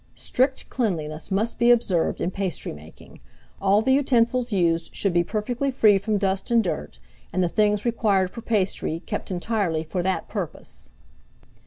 Strict cleanliness must be observed in pastry making; all the utensils used should be perfectly free from dust and dirt, and the things required for pastry, kept entirely for that purpose.